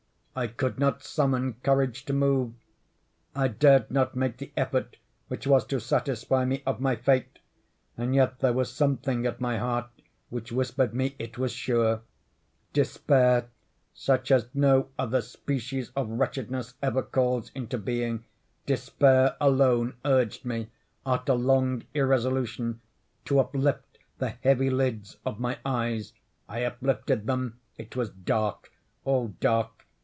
I could not summon courage to move. I dared not make the effort which was to satisfy me of my fate—and yet there was something at my heart which whispered me it was sure. Despair—such as no other species of wretchedness ever calls into being—despair alone urged me, after long irresolution, to uplift the heavy lids of my eyes. I uplifted them. It was dark—all dark.